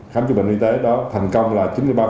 khám chữa bệnh y tế đó thành công là